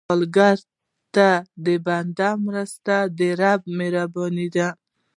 سوالګر ته د بنده مرسته، د رب مهرباني ده